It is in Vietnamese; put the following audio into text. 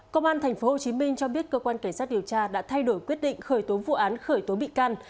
công an tp hcm cho biết cơ quan cảnh sát điều tra đã thay đổi quyết định khởi tố vụ án khởi tố bị can